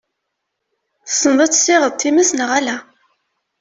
Tessneḍ ad tessiɣeḍ times neɣ ala?